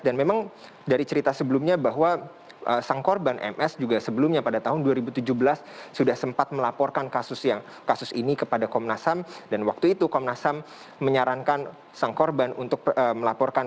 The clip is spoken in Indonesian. dan memang dari cerita sebelumnya bahwa sang korban ms juga sebelumnya pada tahun dua ribu tujuh belas sudah sempat melaporkan kasus ini kepada komnas ham dan waktu itu komnas ham menyarankan sang korban untuk melaporkan